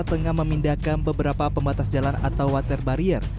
tengah memindahkan beberapa pembatas jalan atau water barrier